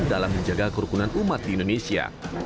dalam menjaga kerukunan umat di indonesia